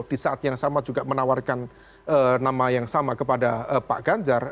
di saat yang sama juga menawarkan nama yang sama kepada pak ganjar